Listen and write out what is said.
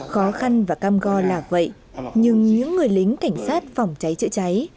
khó khăn và cam go là vậy nhưng những người lính cảnh sát phòng cháy chữa cháy